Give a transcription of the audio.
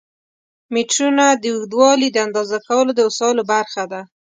میټرونه د اوږدوالي د اندازه کولو د وسایلو برخه ده.